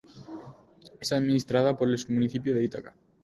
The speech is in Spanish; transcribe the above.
Es administrada por el municipio de Ítaca.